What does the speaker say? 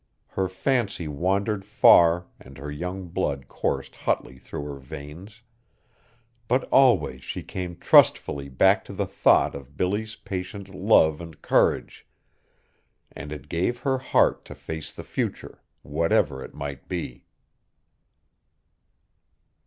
Her fancy wandered far and her young blood coursed hotly through her veins; but always she came trustfully back to the thought of Billy's patient love and courage; and it gave her heart to face the future, whatever it might be.